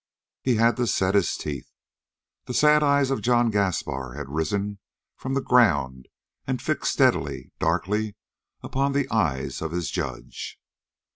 He had to set his teeth. The sad eyes of John Gaspar had risen from the ground and fixed steadily, darkly upon the eyes of his judge.